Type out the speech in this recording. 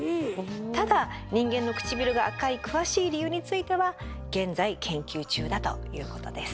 ただ人間のくちびるが赤い詳しい理由については現在研究中だということです。